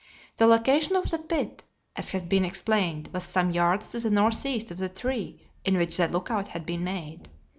The location of the pit, as has been explained, was some yards to the northeast of the tree in which the lookout had been made.